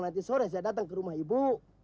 nanti sore saya datang ke rumah ibu